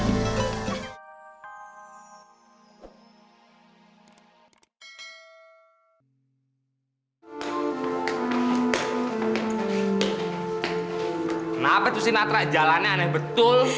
kenapa tuh si natra jalannya aneh betul